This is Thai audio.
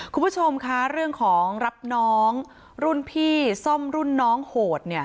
คุณผู้ชมคะเรื่องของรับน้องรุ่นพี่ซ่อมรุ่นน้องโหด